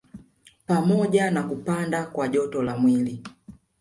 Pamoja na kupanda kwa joto la mwili